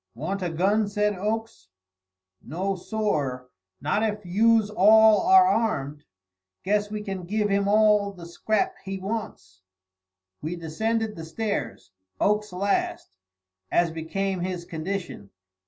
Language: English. "Want a gun?" said Oakes. "No, sorr, not if youse all are armed. Guess we can give him all the scrap he wants." We descended the stairs, Oakes last, as became his condition.